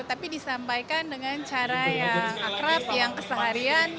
tapi disampaikan dengan cara yang akrab yang keseharian